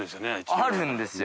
あるんですよ。